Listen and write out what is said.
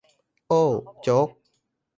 โอ้ โจ๊ก !